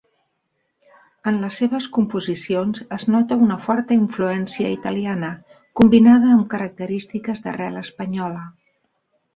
En les seves composicions es nota una forta influència italiana, combinada amb característiques d'arrel espanyola.